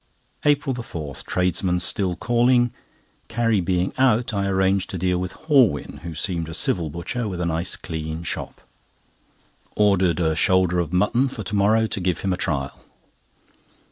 APRIL 4. Tradesmen still calling; Carrie being out, I arranged to deal with Horwin, who seemed a civil butcher with a nice clean shop. Ordered a shoulder of mutton for to morrow, to give him a trial.